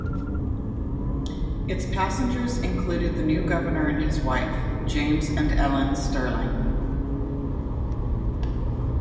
Its passengers included the new Governor and his wife, James and Ellen Stirling.